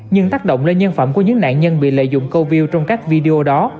nhưng tác động lên nhân phẩm của những nạn nhân bị lợi dụng covid trong các video đó